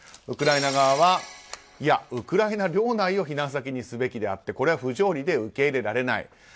ウクライナ側はウクライナ領内を避難先にすべきであってこれは不条理で受け入れられない。